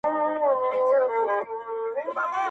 مۀ! په خورو زلفو دې لاس مۀ وهه